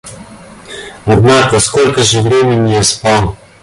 Однако, сколько же времени я спал?